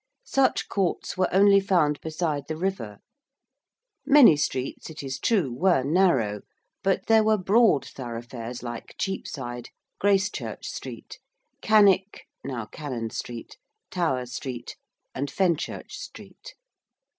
Such courts were only found beside the river: many streets, it is true, were narrow, but there were broad thoroughfares like Cheapside, Gracechurch Street, Canwicke (now Cannon Street) Tower Street, and Fenchurch Street.